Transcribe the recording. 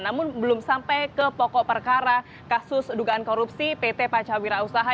namun belum sampai ke pokok perkara kasus dugaan korupsi pt pancawira usaha